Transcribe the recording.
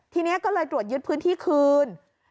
ทีนี้ก็เลยตรวจยึดพื้นที่คืน